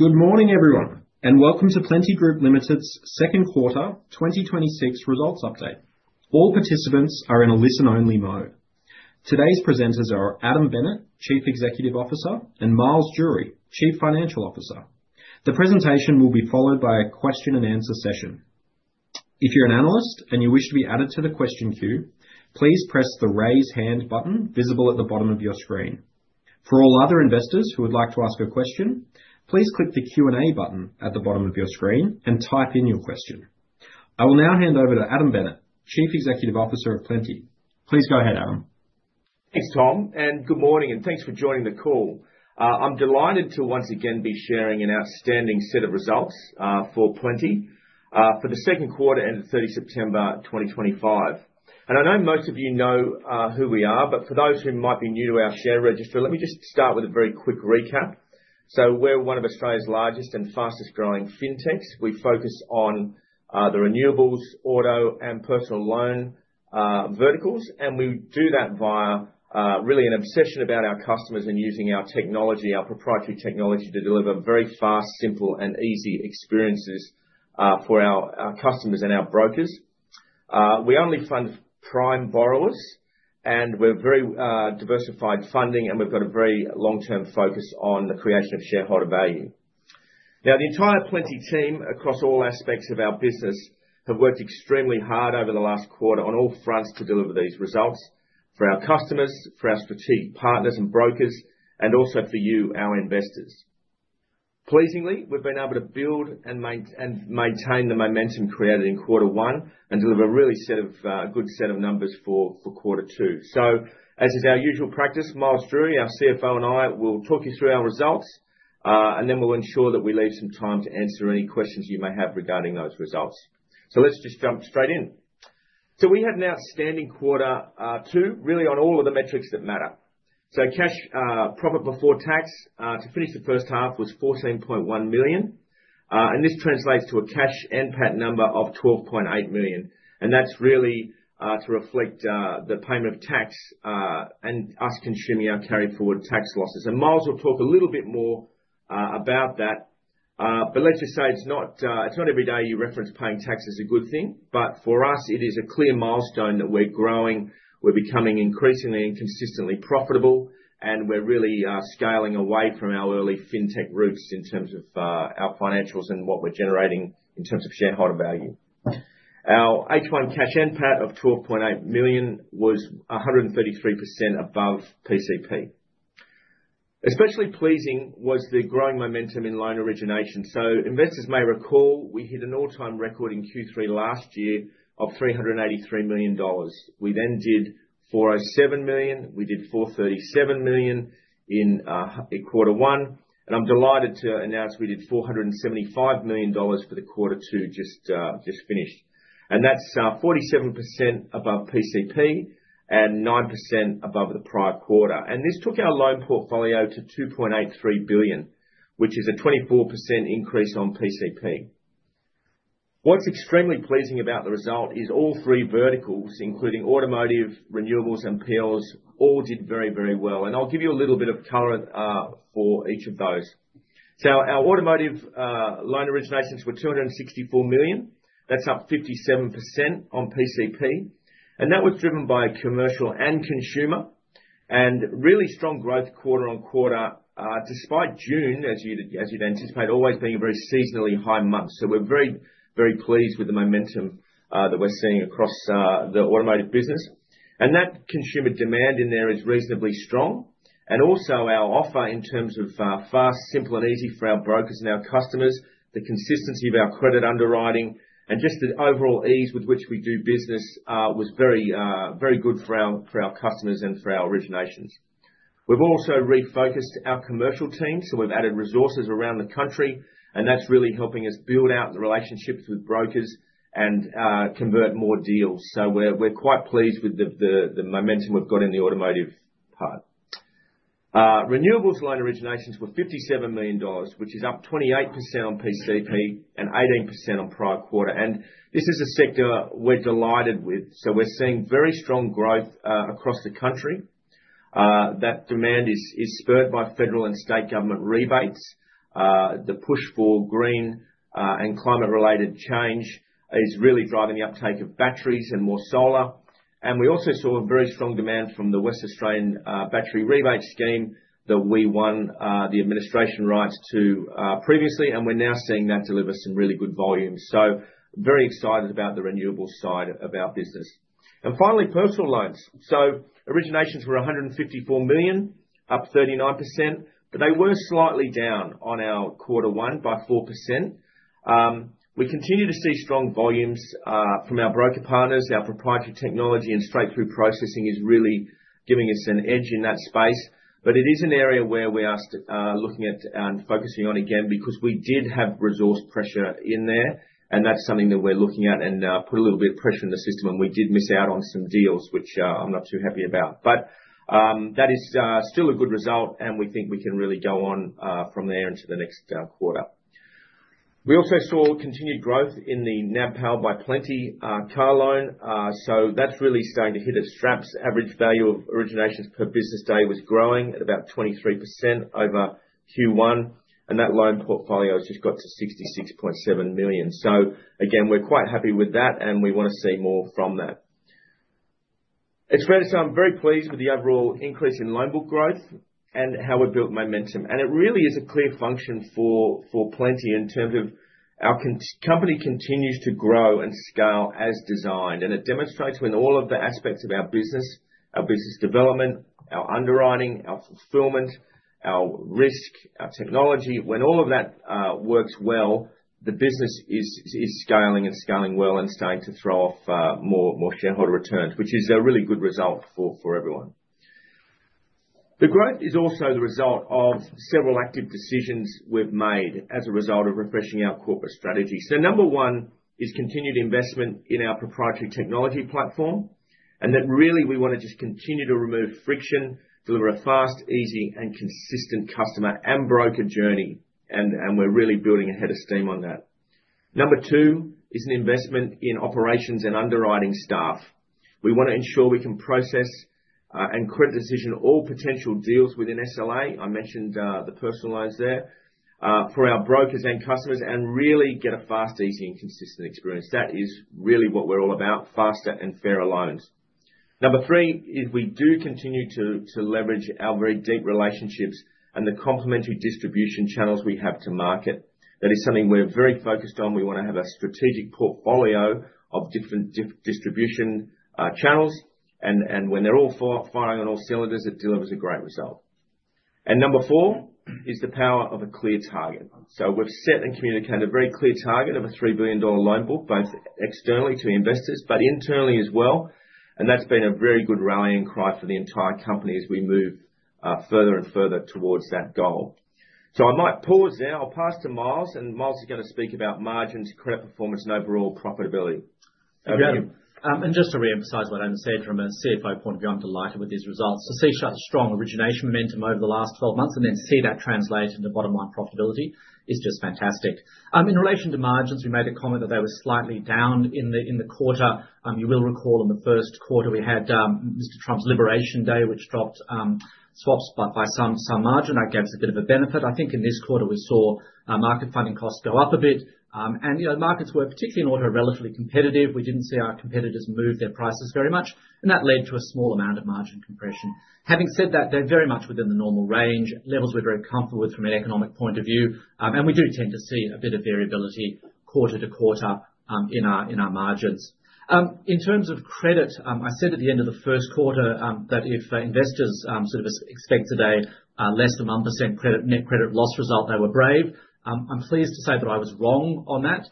Good morning, everyone, and welcome to Plenti Group Limited's second quarter 2026 results update. All participants are in a listen-only mode. Today's presenters are Adam Bennett, Chief Executive Officer, and Miles Drury, Chief Financial Officer. The presentation will be followed by a question-and-answer session. If you're an analyst and you wish to be added to the question queue, please press the raise hand button visible at the bottom of your screen. For all other investors who would like to ask a question, please click the Q&A button at the bottom of your screen and type in your question. I will now hand over to Adam Bennett, Chief Executive Officer at Plenti. Please go ahead, Adam. Thanks, Tom, and good morning, and thanks for joining the call. I'm delighted to once again be sharing an outstanding set of results for Plenti for the second quarter ended 30 September 2025. I know most of you know who we are, but for those who might be new to our share register, let me just start with a very quick recap. We're one of Australia's largest and fastest growing fintechs. We focus on the renewables, auto, and personal loan verticals, and we do that via really an obsession about our customers and using our technology, our proprietary technology, to deliver very fast, simple, and easy experiences for our customers and our brokers. We only fund prime borrowers, and we're very diversified funding, and we've got a very long-term focus on the creation of shareholder value. The entire Plenti team across all aspects of our business have worked extremely hard over the last quarter on all fronts to deliver these results for our customers, for our strategic partners and brokers, and also for you, our investors. Pleasingly, we've been able to build and maintain the momentum created in quarter one and deliver a really good set of numbers for quarter two. As is our usual practice, Miles Drury, our Chief Financial Officer, and I will talk you through our results, and then we'll ensure that we leave some time to answer any questions you may have regarding those results. Let's just jump straight in. We had an outstanding quarter two, really, on all of the metrics that matter. Cash profit before tax to finish the first half was $14.1 million, and this translates to a cash NPAT number of $12.8 million. That's really to reflect the payment of tax and us consuming our carryforward tax losses. Miles will talk a little bit more about that. It's not every day you reference paying tax as a good thing. For us, it is a clear milestone that we're growing, we're becoming increasingly and consistently profitable, and we're really scaling away from our early fintech roots in terms of our financials and what we're generating in terms of shareholder value. Our H1 cash NPAT of $12.8 million was 133% above PCP. Especially pleasing was the growing momentum in loan origination. Investors may recall we hit an all-time record in Q3 last year of $383 million. We then did $407 million. We did $437 million in quarter one. I'm delighted to announce we did $475 million for the quarter two just finished. That's 47% above PCP and 9% above the prior quarter. This took our loan portfolio to $2.83 billion, which is a 24% increase on PCP. What's extremely pleasing about the result is all three verticals, including automotive, renewables, and PLs, all did very, very well. I'll give you a little bit of color for each of those. Our automotive loan originations were $264 million. That's up 57% on PCP. That was driven by commercial and consumer, and really strong growth quarter on quarter, despite June, as you'd anticipate, always being a very seasonally high month. We're very, very pleased with the momentum that we're seeing across the automotive business. That consumer demand in there is reasonably strong. Also, our offer in terms of fast, simple, and easy for our brokers and our customers, the consistency of our credit underwriting, and just the overall ease with which we do business was very, very good for our customers and for our originations. We've also refocused our commercial team, so we've added resources around the country, and that's really helping us build out the relationships with brokers and convert more deals. We're quite pleased with the momentum we've got in the automotive part. Renewables loan originations were $57 million, which is up 28% on PCP and 18% on prior quarter. This is a sector we're delighted with. We're seeing very strong growth across the country. That demand is spurred by federal and state government rebates. The push for green and climate-related change is really driving the uptake of batteries and more solar. We also saw a very strong demand from the West Australian Battery Rebate Scheme that we won the administration rights to previously, and we're now seeing that deliver some really good volume. Very excited about the renewable side of our business. Finally, personal loans. Originations were $154 million, up 39%, but they were slightly down on our quarter one by 4%. We continue to see strong volumes from our broker partners. Our proprietary technology and straight-through processing is really giving us an edge in that space. It is an area where we are looking at and focusing on again because we did have resource pressure in there, and that's something that we're looking at and put a little bit of pressure in the system. We did miss out on some deals, which I'm not too happy about. That is still a good result, and we think we can really go on from there into the next quarter. We also saw continued growth in the NAB PowerBuy Plenti car loan. That's really starting to hit its traps. Average value of originations per business day was growing at about 23% over Q1, and that loan portfolio has just got to $66.7 million. Again, we're quite happy with that, and we want to see more from that. It's fair to say I'm very pleased with the overall increase in loan book growth and how we've built momentum. It really is a clear function for Plenti in terms of our company continues to grow and scale as designed. It demonstrates when all of the aspects of our business, our business development, our underwriting, our fulfillment, our risk, our technology, when all of that works well, the business is scaling and scaling well and starting to throw off more shareholder returns, which is a really good result for everyone. The growth is also the result of several active decisions we've made as a result of refreshing our corporate strategy. Number one is continued investment in our proprietary technology platform, and that really we want to just continue to remove friction, deliver a fast, easy, and consistent customer and broker journey, and we're really building ahead of steam on that. Number two is an investment in operations and underwriting staff. We want to ensure we can process and credit decision all potential deals within SLA. I mentioned the personal loans there for our brokers and customers and really get a fast, easy, and consistent experience. That is really what we're all about, faster and fairer loans. Number three is we do continue to leverage our very deep relationships and the complementary distribution channels we have to market. That is something we're very focused on. We want to have a strategic portfolio of different distribution channels, and when they're all firing on all cylinders, it delivers a great result. Number four is the power of a clear target. We've set and communicated a very clear target of a $3 billion loan book, both externally to investors, but internally as well. That's been a very good rallying cry for the entire company as we move further and further towards that goal. I might pause there. I'll pass to Miles, and Miles is going to speak about margins, credit performance, and overall profitability. Thank you. Just to reemphasize what Adam said, from a CFO point of view, I'm delighted with these results. To see such strong origination momentum over the last 12 months and then see that translate into bottom-line profitability is just fantastic. In relation to margins, we made a comment that they were slightly down in the quarter. You will recall in the first quarter we had Mr. Trump's Liberation Day, which dropped swaps by some margin. That gave us a bit of a benefit. I think in this quarter we saw market funding costs go up a bit. You know the markets were, particularly in auto, relatively competitive. We didn't see our competitors move their prices very much, and that led to a small amount of margin compression. Having said that, they're very much within the normal range, levels we're very comfortable with from an economic point of view. We do tend to see a bit of variability quarter to quarter in our margins. In terms of credit, I said at the end of the first quarter that if investors sort of expect today less than 1% net credit loss result, they were brave. I'm pleased to say that I was wrong on that.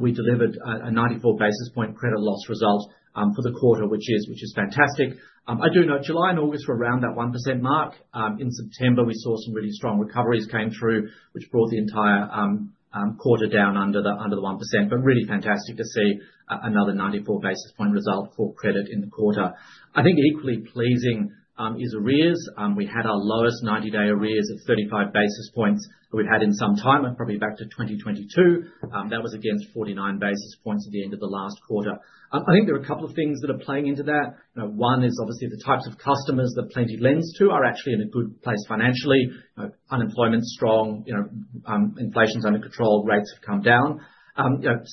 We delivered a 94 basis point credit loss result for the quarter, which is fantastic. I do note July and August were around that 1% mark. In September, we saw some really strong recoveries came through, which brought the entire quarter down under the 1%. Really fantastic to see another 94 basis point result for credit in the quarter. I think equally pleasing is arrears. We had our lowest 90-day arrears of 35 basis points that we've had in some time, and probably back to 2022. That was against 49 basis points at the end of the last quarter. I think there are a couple of things that are playing into that. One is obviously the types of customers that Plenti lends to are actually in a good place financially. Unemployment's strong. Inflation's under control. Rates have come down.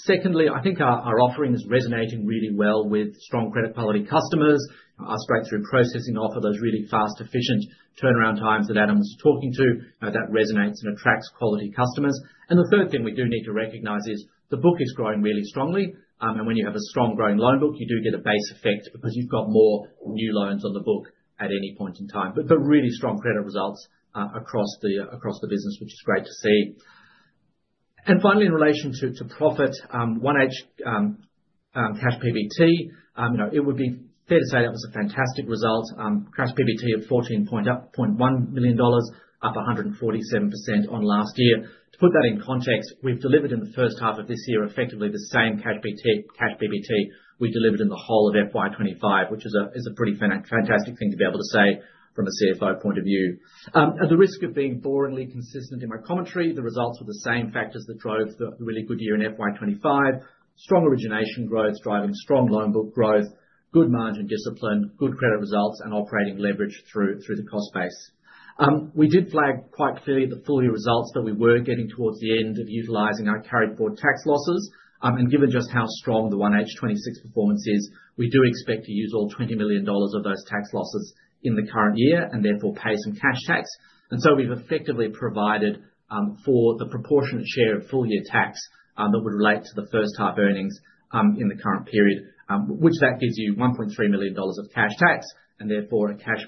Secondly, I think our offering is resonating really well with strong credit quality customers. Our straight-through processing offers those really fast, efficient turnaround times that Adam was talking to. That resonates and attracts quality customers. The third thing we do need to recognize is the book is growing really strongly. When you have a strong growing loan book, you do get a base effect because you've got more new loans on the book at any point in time. Really strong credit results across the business, which is great to see. Finally, in relation to profit, 1H cash PBT, it would be fair to say that was a fantastic result. Cash PBT of $14.1 million, up 147% on last year. To put that in context, we've delivered in the first half of this year effectively the same cash PBT we delivered in the whole of FY2025, which is a pretty fantastic thing to be able to say from a CFO point of view. At the risk of being boringly consistent in my commentary, the results were the same factors that drove the really good year in FY2025. Strong origination growth's driving strong loan book growth, good margin discipline, good credit results, and operating leverage through the cost base. We did flag quite clearly at the full-year results that we were getting towards the end of utilizing our carried forward tax losses. Given just how strong the 1H 26 performance is, we do expect to use all $20 million of those tax losses in the current year and therefore pay some cash tax. We've effectively provided for the proportionate share of full-year tax that would relate to the first half earnings in the current period, which gives you $1.3 million of cash tax and therefore a cash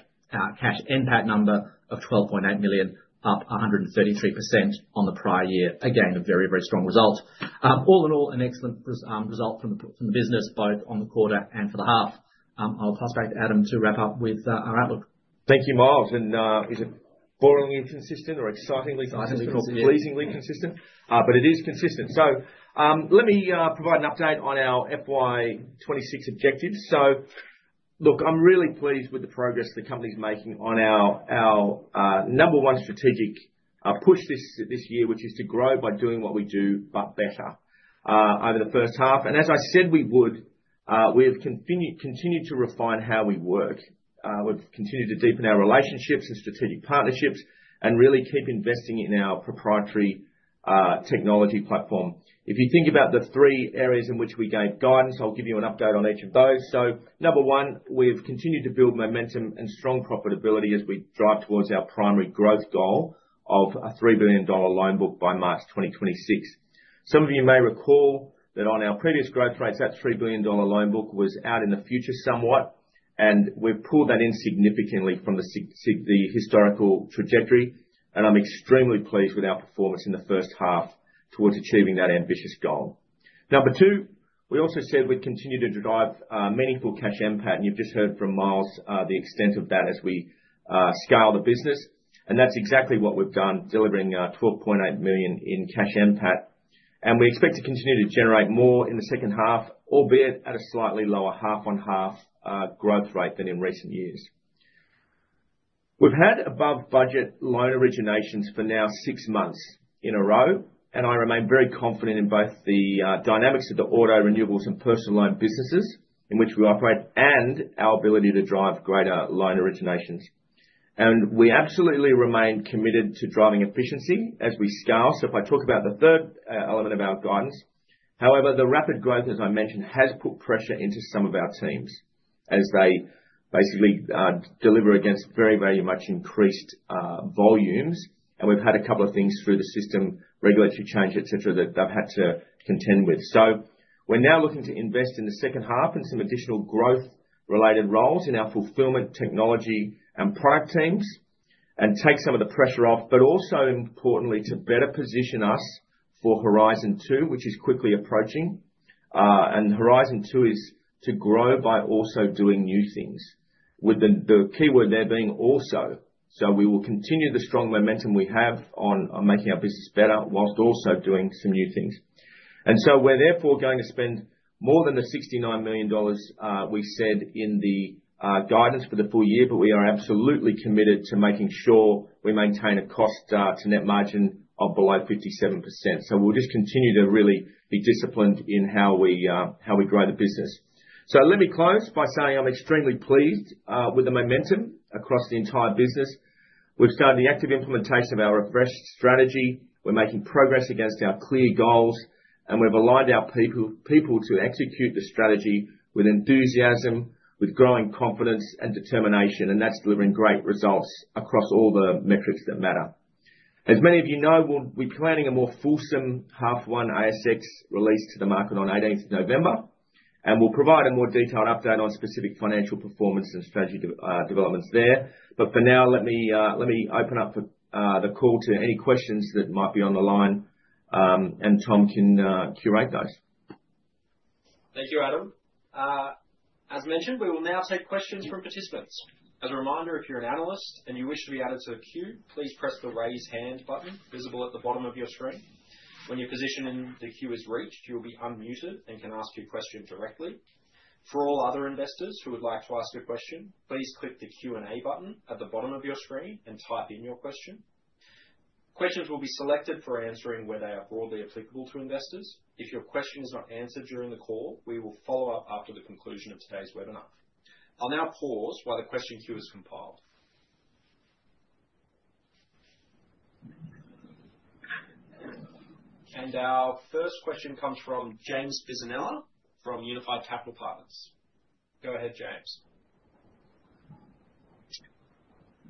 NPAT number of $12.8 million, up 133% on the prior year. Again, a very, very strong result. All in all, an excellent result from the business, both on the quarter and for the half. I'll pass back to Adam to wrap up with our outlook. Thank you, Miles. Is it boringly consistent or excitingly consistent? Excitingly. It is consistent. Let me provide an update on our FY2026 objectives. I'm really pleased with the progress the company's making on our number one strategic push this year, which is to grow by doing what we do but better over the first half. As I said, we would. We have continued to refine how we work. We've continued to deepen our relationships and strategic partnerships and really keep investing in our proprietary technology platform. If you think about the three areas in which we gave guidance, I'll give you an update on each of those. Number one, we've continued to build momentum and strong profitability as we drive towards our primary growth goal of a $3 billion loan book by March 2026. Some of you may recall that on our previous growth rates, that $3 billion loan book was out in the future somewhat, and we've pulled that in significantly from the historical trajectory. I'm extremely pleased with our performance in the first half towards achieving that ambitious goal. Number two, we also said we'd continue to drive meaningful cash NPAT. You've just heard from Miles the extent of that as we scale the business. That's exactly what we've done, delivering $12.8 million in cash NPAT. We expect to continue to generate more in the second half, albeit at a slightly lower half-on-half growth rate than in recent years. We've had above-budget loan originations for now six months in a row, and I remain very confident in both the dynamics of the auto, renewables, and personal loan businesses in which we operate and our ability to drive greater loan originations. We absolutely remain committed to driving efficiency as we scale. If I talk about the third element of our guidance, the rapid growth, as I mentioned, has put pressure into some of our teams as they basically deliver against very, very much increased volumes. We've had a couple of things through the system, regulatory change, etc., that they've had to contend with. We're now looking to invest in the second half in some additional growth-related roles in our fulfilment, technology, and product teams and take some of the pressure off, but also importantly to better position us for Horizon Two, which is quickly approaching. Horizon Two is to grow by also doing new things, with the keyword there being also. We will continue the strong momentum we have on making our business better whilst also doing some new things. We're therefore going to spend more than the $69 million we said in the guidance for the full year, but we are absolutely committed to making sure we maintain a cost-to-net margin of below 57%. We'll just continue to really be disciplined in how we grow the business. Let me close by saying I'm extremely pleased with the momentum across the entire business. We've started the active implementation of our refreshed strategy. We're making progress against our clear goals, and we've aligned our people to execute the strategy with enthusiasm, with growing confidence and determination. That's delivering great results across all the metrics that matter. As many of you know, we'll be planning a more fulsome half-one ASX release to the market on 18th of November, and we'll provide a more detailed update on specific financial performance and strategy developments there. For now, let me open up the call to any questions that might be on the line, and Tom can curate those. Thank you, Adam. As mentioned, we will now take questions from participants. As a reminder, if you're an analyst and you wish to be added to a queue, please press the raise hand button visible at the bottom of your screen. When your position in the queue is reached, you'll be unmuted and can ask your question directly. For all other investors who would like to ask a question, please click the Q&A button at the bottom of your screen and type in your question. Questions will be selected for answering where they are broadly applicable to investors. If your question is not answered during the call, we will follow up after the conclusion of today's webinar. I'll now pause while the question queue is compiled. Our first question comes from James Bisinella from Unified Capital Partners. Go ahead, James.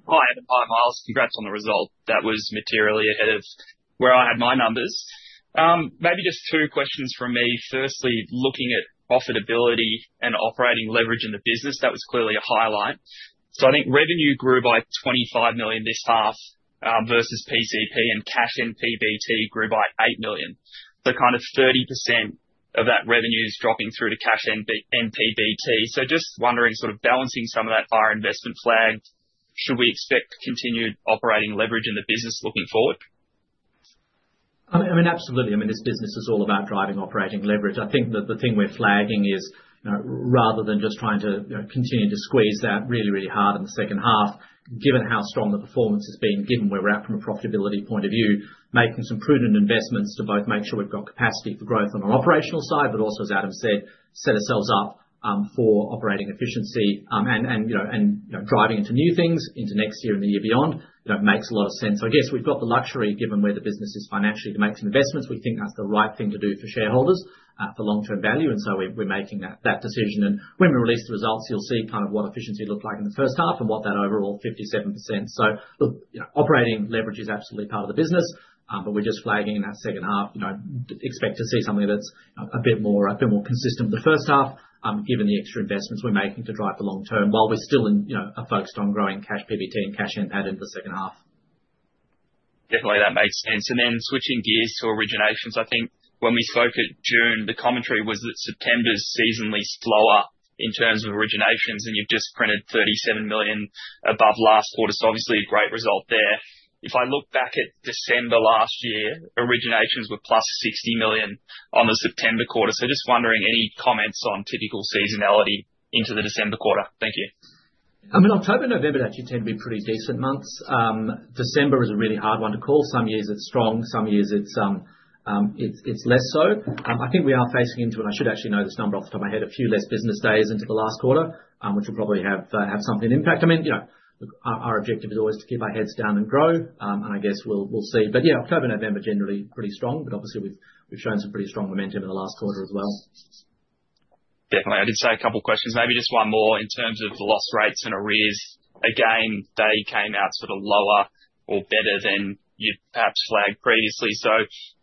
Hi, Miles, congrats on the result. That was materially ahead of where I had my numbers. Maybe just two questions from me. Firstly, looking at profitability and operating leverage in the business, that was clearly a highlight. I think revenue grew by $25 million this half versus PCP, and cash NPBT grew by $8 million. Kind of 30% of that revenue is dropping through to cash NPBT. Just wondering, sort of balancing some of that by our investment flag, should we expect continued operating leverage in the business looking forward? Absolutely. This business is all about driving operating leverage. The thing we're flagging is, rather than just trying to continue to squeeze that really, really hard in the second half, given how strong the performance has been, given where we're at from a profitability point of view, making some prudent investments to both make sure we've got capacity for growth on our operational side, but also, as Adam said, set ourselves up for operating efficiency and driving into new things into next year and the year beyond makes a lot of sense. I guess we've got the luxury, given where the business is financially, to make some investments. We think that's the right thing to do for shareholders for long-term value. We're making that decision. When we release the results, you'll see what efficiency looked like in the first half and what that overall 57% is operating leverage is absolutely part of the business, but we're just flagging in that second half to expect to see something that's a bit more consistent with the first half, given the extra investments we're making to drive the long term while we're still focused on growing cash PBT and cash NPAT into the second half. Definitely, that makes sense. Switching gears to originations, I think when we spoke in June, the commentary was that September is seasonally slower in terms of originations. You've just printed $37 million above last quarter, obviously a great result there. If I look back at December last year, originations were +$60 million on the September quarter. Just wondering, any comments on typical seasonality into the December quarter? Thank you. October and November actually tend to be pretty decent months. December was a really hard one to call. Some years it's strong, some years it's less so. I think we are facing into, and I should actually know this number off the top of my head, a few less business days into the last quarter, which will probably have something to impact. Our objective is always to keep our heads down and grow. I guess we'll see. October and November generally pretty strong. Obviously, we've shown some pretty strong momentum in the last quarter as well. Definitely. I did say a couple of questions. Maybe just one more in terms of the loss rates and arrears. They came out sort of lower or better than you perhaps flagged previously.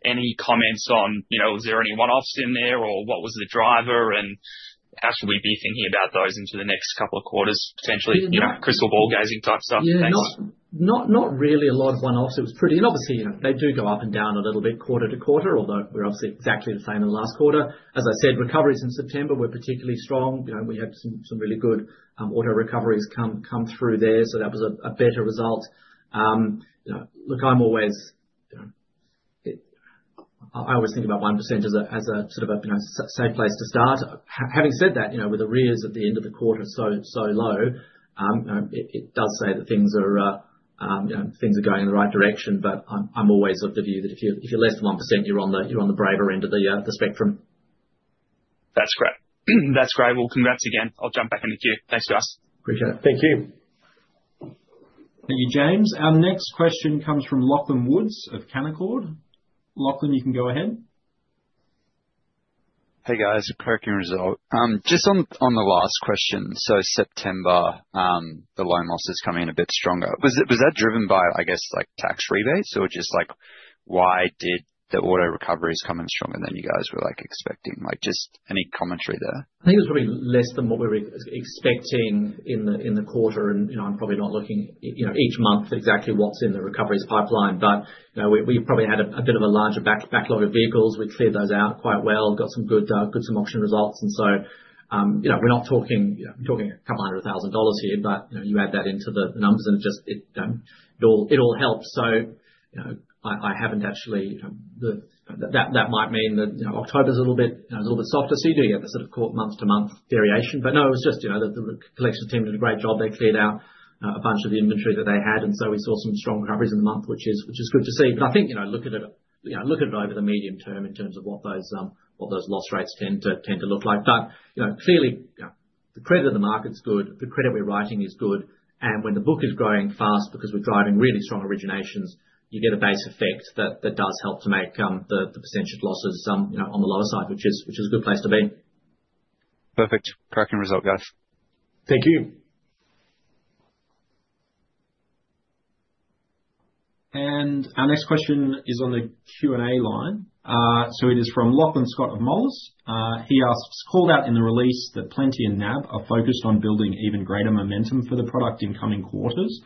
Any comments on, you know, was there any one-offs in there, or what was the driver, and how should we be thinking about those into the next couple of quarters, potentially? You know, crystal ball gazing type stuff. Thanks. Not really a lot of one-offs. It was pretty, and obviously, you know, they do go up and down a little bit quarter to quarter, although we're obviously exactly the same in the last quarter. As I said, recoveries in September were particularly strong. We had some really good auto recoveries come through there. That was a better result. I always think about 1% as a sort of a safe place to start. Having said that, with arrears at the end of the quarter so low, it does say that things are going in the right direction. I'm always of the view that if you're less than 1%, you're on the braver end of the spectrum. That's great. That's great. Congrats again. I'll jump back in the queue. Thanks, guys. Appreciate it. Thank you. Thank you, James. Our next question comes from Lachlan Woods of Canaccord. Lachlan, you can go ahead. Hey, guys. A quirking result. Just on the last question, September, the loan losses come in a bit stronger. Was that driven by, I guess, like tax rebates or just like why did the auto recoveries come in stronger than you guys were expecting? Like just any commentary there? I think it was probably less than what we were expecting in the quarter. I'm probably not looking each month exactly what's in the recoveries pipeline, but we probably had a bit of a larger backlog of vehicles. We cleared those out quite well, got some good, good submission results. We're not talking a couple hundred thousand dollars here, but you add that into the numbers and it just, it all helps. I haven't actually, that might mean that October's a little bit, it's a little bit softer. You do get the sort of quarter month-to-month variation. The collections team did a great job. They cleared out a bunch of the inventory that they had, and we saw some strong recoveries in the month, which is good to see. I think, look at it over the medium term in terms of what those loss rates tend to look like. Clearly, the credit of the market's good. The credit we're writing is good. When the book is growing fast because we're driving really strong originations, you get a base effect that does help to make the percentage of losses on the lower side, which is a good place to be. Perfect. Cracking result, guys. Thank you. Our next question is on the Q&A line. It is from Lachlan Scott of Moelis. He asks, "Called out in the release that Plenti and NAB are focused on building even greater momentum for the product in coming quarters.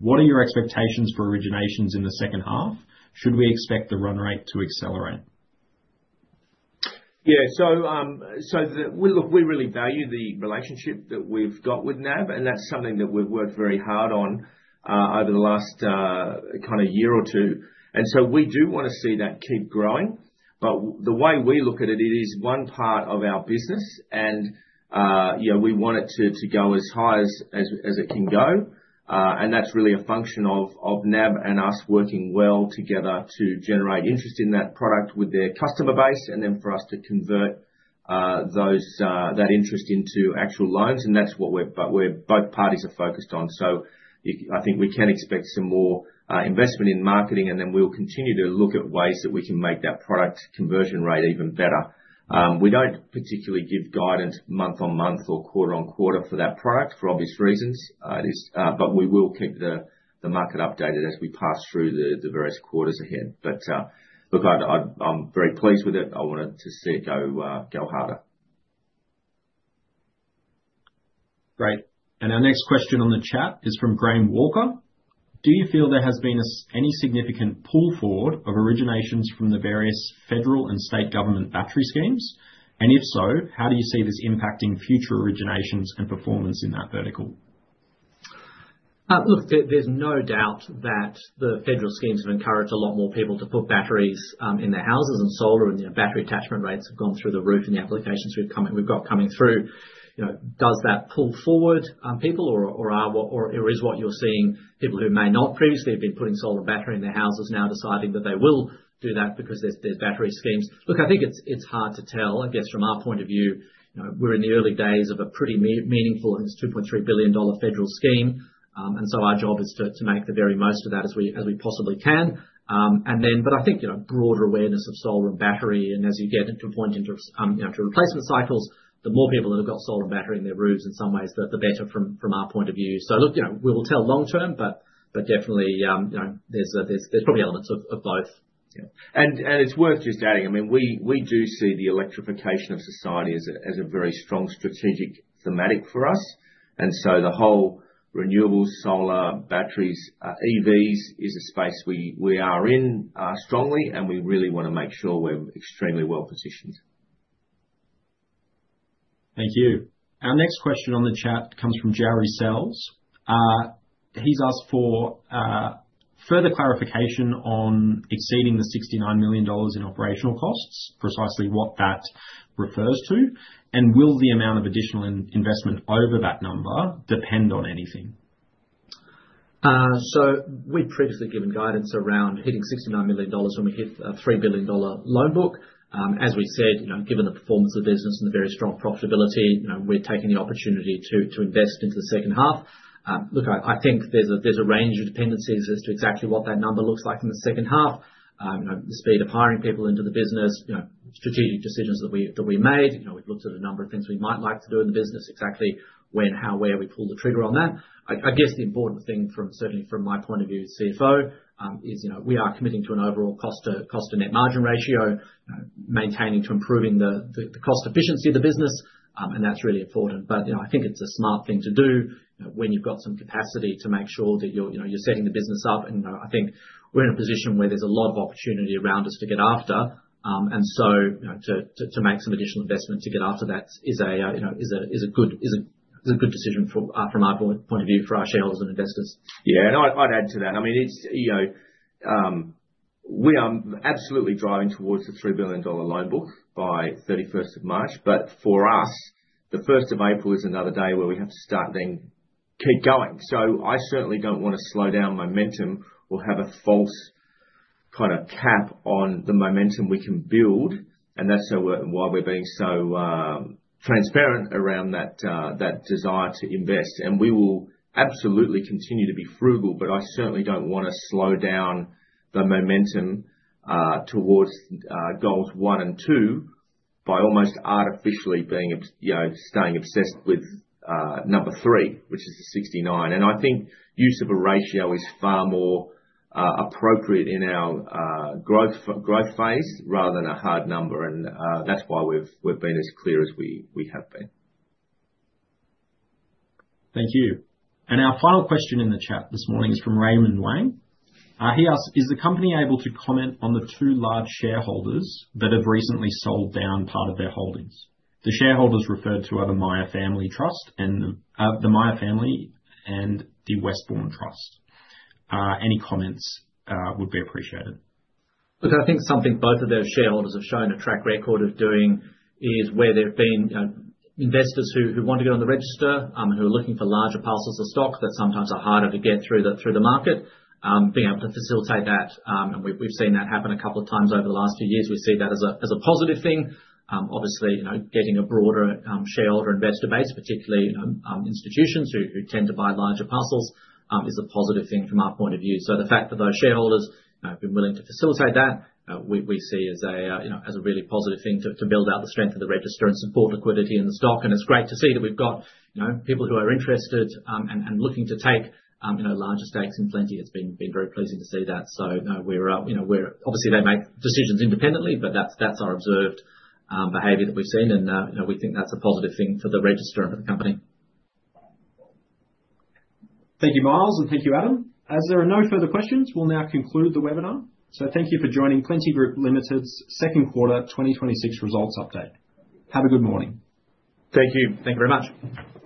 What are your expectations for originations in the second half? Should we expect the run rate to accelerate? Yeah. So look, we really value the relationship that we've got with NAB, and that's something that we've worked very hard on over the last year or two. We do want to see that keep growing. The way we look at it, it is one part of our business, and you know, we want it to go as high as it can go. That's really a function of NAB and us working well together to generate interest in that product with their customer base and then for us to convert that interest into actual loans. That's what both parties are focused on. I think we can expect some more investment in marketing, and we'll continue to look at ways that we can make that product conversion rate even better. We don't particularly give guidance month-on-month or quarter-on-quarter for that product for obvious reasons. We will keep the market updated as we pass through the various quarters ahead. I'm very pleased with it. I wanted to see it go harder. Great. Our next question on the chat is from Graham Walker. Do you feel there has been any significant pull forward of originations from the various federal and state government battery schemes? If so, how do you see this impacting future originations and performance in that vertical? Look, there's no doubt that the federal schemes have encouraged a lot more people to put batteries in their houses and solar, and battery attachment rates have gone through the roof in the applications we've got coming through. Does that pull forward people, or is what you're seeing people who may not previously have been putting solar battery in their houses now deciding that they will do that because there's battery schemes? I think it's hard to tell. I guess from our point of view, we're in the early days of a pretty meaningful, and it's a $2.3 billion federal scheme. Our job is to make the very most of that as we possibly can. I think broader awareness of solar and battery, and as you get to a point into replacement cycles, the more people that have got solar and battery in their roofs, in some ways, the better from our point of view. We will tell long term, but definitely, there's probably elements of both. Yeah. It's worth just adding, I mean, we do see the electrification of society as a very strong strategic thematic for us. The whole renewables, solar, batteries, EVs is a space we are in strongly, and we really want to make sure we're extremely well positioned. Thank you. Our next question on the chat comes from Jared Sells. He's asked for further clarification on exceeding the $69 million in operational costs, precisely what that refers to. Will the amount of additional investment over that number depend on anything? We've previously given guidance around hitting $69 million when we hit a $3 billion loan book. As we said, given the performance of the business and the very strong profitability, we're taking the opportunity to invest into the second half. I think there's a range of dependencies as to exactly what that number looks like in the second half, the speed of hiring people into the business, strategic decisions that we made. We've looked at a number of things we might like to do in the business, exactly when, how, where we pull the trigger on that. I guess the important thing, certainly from my point of view as CFO, is we are committing to an overall cost-to-net margin ratio, maintaining to improving the cost efficiency of the business. That's really important. I think it's a smart thing to do when you've got some capacity to make sure that you're setting the business up. I think we're in a position where there's a lot of opportunity around us to get after, and to make some additional investment to get after that is a good decision from our point of view for our shareholders and investors. Yeah. I'd add to that. We are absolutely driving towards the $3 billion loan book by March 31st. For us, April 1 is another day where we have to start then keep going. I certainly don't want to slow down momentum or have a false kind of cap on the momentum we can build. That is why we're being so transparent around that desire to invest. We will absolutely continue to be frugal, but I certainly don't want to slow down the momentum towards goals one and two by almost artificially staying obsessed with number three, which is the 69. I think use of a ratio is far more appropriate in our growth phase rather than a hard number. That is why we've been as clear as we have been. Thank you. Our final question in the chat this morning is from Raymond Wang. He asks, "Is the company able to comment on the two large shareholders that have recently sold down part of their holdings?" The shareholders referred to are the Meyer Family Trust and the Meyer Family and the Westbourne Trust. Any comments would be appreciated. I think something both of those shareholders have shown a track record of doing is where they've been investors who want to get on the register and who are looking for larger parcels of stock that sometimes are harder to get through the market, being able to facilitate that. We've seen that happen a couple of times over the last few years. We see that as a positive thing. Obviously, getting a broader shareholder investor base, particularly institutions who tend to buy larger parcels, is a positive thing from our point of view. The fact that those shareholders have been willing to facilitate that, we see as a really positive thing to build out the strength of the register and support liquidity in the stock. It's great to see that we've got people who are interested and looking to take larger stakes in Plenti. It's been very pleasing to see that. Obviously, they make decisions independently, but that's our observed behavior that we've seen. We think that's a positive thing for the register and for the company. Thank you, Miles, and thank you, Adam. As there are no further questions, we'll now conclude the webinar. Thank you for joining Plenti Group Limited's second quarter 2026 results update. Have a good morning. Thank you. Thank you very much.